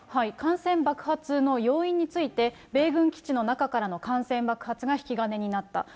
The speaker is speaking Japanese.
感染爆発の要因について、米軍基地の中からの感染爆発が引き金になった。